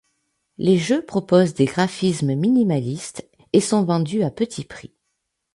Les jeux proposent des graphismes minimalistes et sont vendus à petit prix.